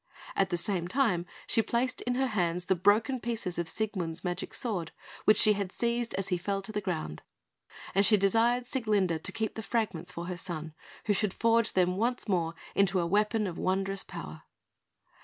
At the same time, she placed in her hands the broken pieces of Siegmund's magic sword, which she had seized as he fell to the ground; and she desired Sieglinde to keep the fragments for her son, who should forge them once more into a weapon of wondrous power.